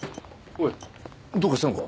おいどうかしたのか？